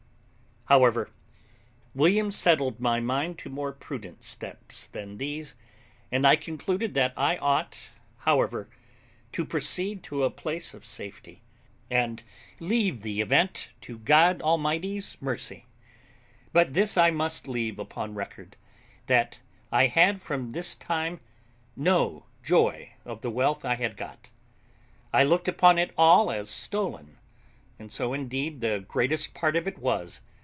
However, William settled my mind to more prudent steps than these, and I concluded that I ought, however, to proceed to a place of safety, and leave the event to God Almighty's mercy. But this I must leave upon record, that I had from this time no joy of the wealth I had got. I looked upon it all as stolen, and so indeed the greatest part of it was.